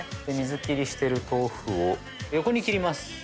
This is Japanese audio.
で水切りしてる豆腐を横に切ります。